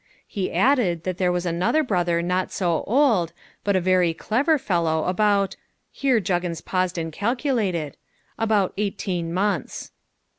He added that there was another brother not so old, but a very clever fellow about, here Juggins paused and calculated about eighteen months.